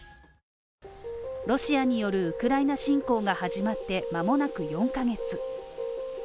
ロシアによるウクライナ侵攻が始まってまもなく４ヶ月。